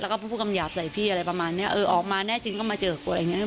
แล้วก็พูดคำหยาบใส่พี่อะไรประมาณเนี้ยเออออกมาแน่จริงก็มาเจอกูอะไรอย่างเงี้